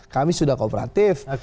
kami sudah kooperatif